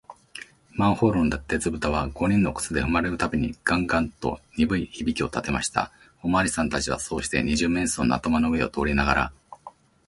マンホールの鉄ぶたは、五人の靴でふまれるたびに、ガンガンとにぶい響きをたてました。おまわりさんたちは、そうして、二十面相の頭の上を通りながら、